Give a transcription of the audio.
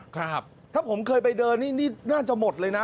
ถ้าว่าผมเคยไปเดินนี่น่าจะหมดเลยนะ